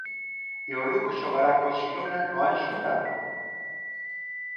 E o Lugo xogará co Xirona no Anxo Carro.